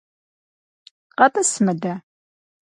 КъэтӀыс мыдэ!